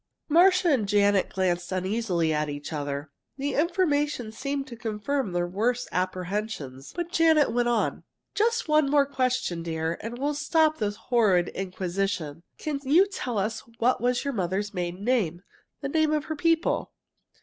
Marcia and Janet glanced uneasily at each other. The information seemed to confirm their worst apprehensions. But Janet went on: "Just one more question, dear, and we'll stop this horrid inquisition. Can you tell us what was your mother's maiden name, the name of her people?"